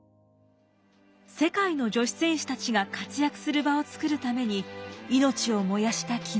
世界の女子選手たちが活躍する場を作るために命を燃やした絹枝。